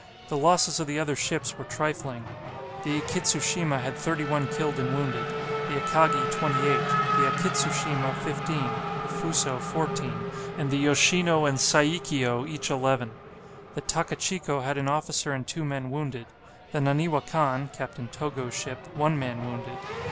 The losses of the other ships were trifling. The "Ikitsushima" had 31 killed and wounded; the "Akagi," 28; the "Akitsushima," 15; the "Fuso," 14; and the "Yoshino" and "Saikio," each 11. The "Takachico" had an officer and two men wounded; the "Naniwa Kan" (Captain Togo's ship) one man wounded.